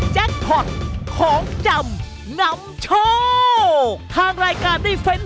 แจ๊คพล็อตของจำนำโชว์